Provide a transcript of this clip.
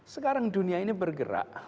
sekarang dunia ini bergerak